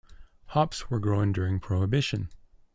Hops were grown during Prohibition.